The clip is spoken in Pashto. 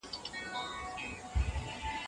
د پښتنو لښکر په اصفهان کې د عدل بیرغ پورته کړ.